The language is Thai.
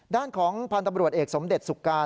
ด้านของพันธุ์ตำรวจเอกสมเด็จสุการ